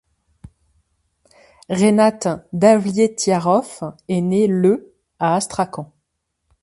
Renat Davletiarov est né le à Astrakhan.